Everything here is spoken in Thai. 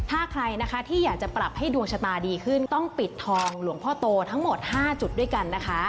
ถ้าใครนะคะที่อยากจะปรับให้ดวงชะตาดีขึ้นต้องปิดทองหลวงพ่อโตทั้งหมด๕จุดด้วยกันนะคะ